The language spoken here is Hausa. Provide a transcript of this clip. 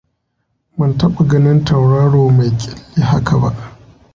Ban taɓa ganin tauraro mai ƙyalli haka ba.